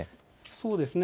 そうですね